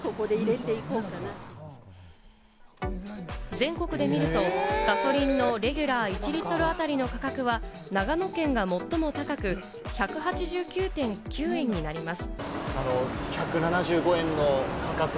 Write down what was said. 全国で見ると、ガソリンのレギュラー１リットルあたりの価格は、長野県が最も高く、１８９．９円になります。